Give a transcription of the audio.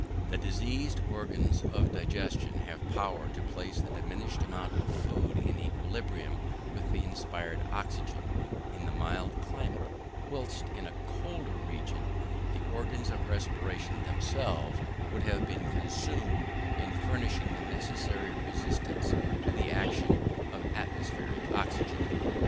The diseased organs of digestion have power to place the diminished amount of food in equilibrium with the inspired oxygen, in the mild climate; whilst in a colder region the organs of respiration themselves would have been consumed in furnishing the necessary resistance to the action of the atmospheric oxygen.